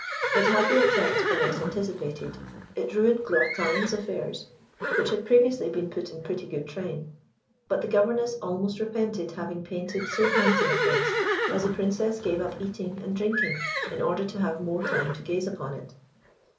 It had the effect Bonnette anticipated. It ruined Gluatin's affairs, which had previously been put in pretty good train; but the governess almost repented having painted so handsome a face, as the Princess gave up eating and drinking in order to have more time to gaze upon it.